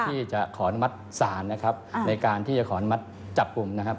ที่จะขออนุมัติศาลนะครับในการที่จะขออนุมัติจับกลุ่มนะครับ